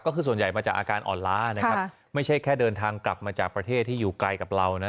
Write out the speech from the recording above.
ก็คือส่วนใหญ่มาจากอาการอ่อนล้านะครับไม่ใช่แค่เดินทางกลับมาจากประเทศที่อยู่ไกลกับเรานะ